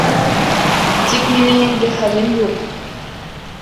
— Тик минең инде хәлем юҡ.